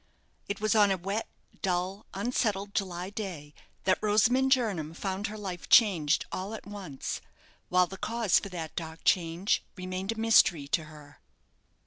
It was on a wet, dull, unsettled July day that Rosamond Jernam found her life changed all at once, while the cause for that dark change remained a mystery to her.